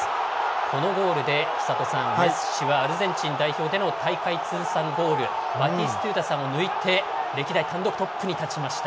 このゴールで寿人さんメッシはアルゼンチン代表での大会通算ゴールバティストゥータさんを抜いて歴代単独トップに立ちました。